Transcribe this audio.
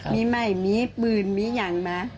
มีไหมมีปืนมียังไหม